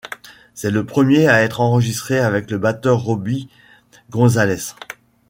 C'est le premier à être enregistré avec le batteur Robi Gonzalez.